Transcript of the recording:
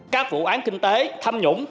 các vụ án kinh tế thâm nhũng